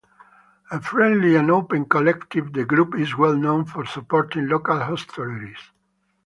A friendly and open collective, the group is well known for supporting local hostelries.